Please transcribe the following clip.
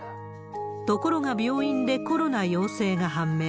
ところが病院でコロナ陽性が判明。